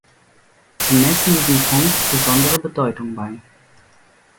Sie messen diesem Punkt besondere Bedeutung bei.